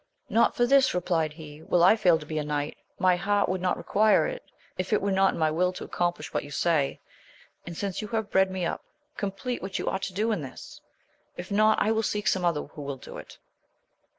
Not for this, replied he, will I fail to be a knight : my heart would not require it, if it were not in my will to accomplish what you say. And since you have bred me up, compleat what you ought to do in this ; if not,! will seek some other who will do it.